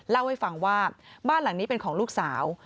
เล่าให้ฟังว่าบ้านหลังนี้เป็นของลูกสาว